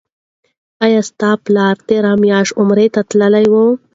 آیا ستا پلار تیره میاشت عمرې ته تللی و؟